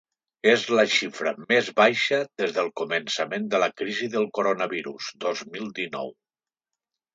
És la xifra més baixa des del començament de la crisi del coronavirus dos mil dinou.